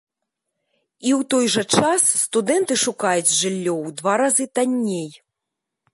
І ў той жа час студэнты шукаюць жыллё ў два разы танней.